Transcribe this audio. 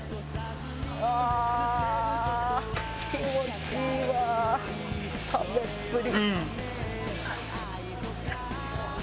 ああ気持ちいいわ食べっぷり。